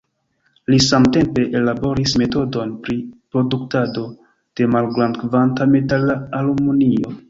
Li samtempe ellaboris metodon pri produktado de malgrand-kvanta metala aluminio.